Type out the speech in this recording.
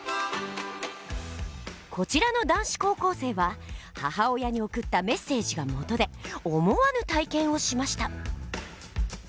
こちらの男子高校生は母親に送ったメッセージがもとで思わぬ体験をしました。